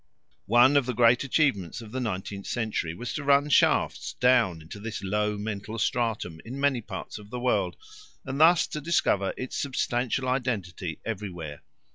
One of the great achievements of the nineteenth century was to run shafts down into this low mental stratum in many parts of the world, and thus to discover its substantial identity everywhere.